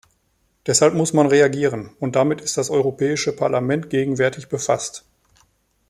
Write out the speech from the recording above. Deshalb muss man reagieren, und damit ist das Europäische Parlament gegenwärtig befasst.